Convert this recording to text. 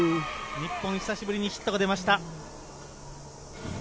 日本、久しぶりにヒットが出ました。